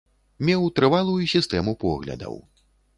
Меў трывалую сістэму поглядаў.